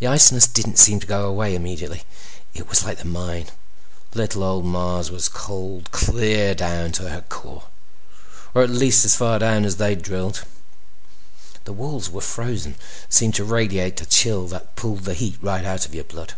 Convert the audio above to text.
The iciness didn't seem to go away immediately. It was like the mine. Little old Mars was cold clear down to her core—or at least down as far as they'd drilled. The walls were frozen and seemed to radiate a chill that pulled the heat right out of your blood.